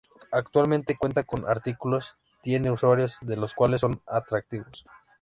Actualmente cuenta con artículos; tiene usuarios, de los cuales son activos.